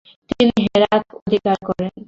তিনি হেরাত অধিকার করেন।